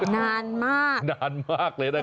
นานมากนานมากเลยนะครับ